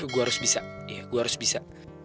gue harus bisa